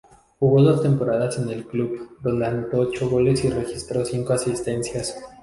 Jugó dos temporadas en el club, donde anotó ocho goles y registró cinco asistencias.